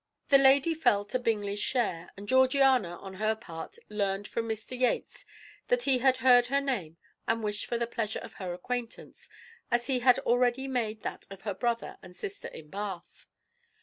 The lady fell to Bingley's share, and Georgiana, on her part, learned from Mr. Yates that he had heard her name and wished for the pleasure of her acquaintance, as he had already made that of her brother and sister in Bath.